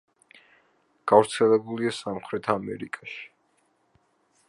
გავრცელებულია სამხრეთ ამერიკაში.